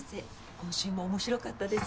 今週も面白かったです。